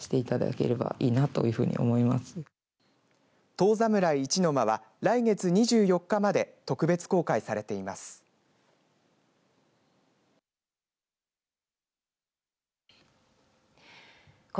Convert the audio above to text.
遠侍一の間は来月２４日まで特別公開されています。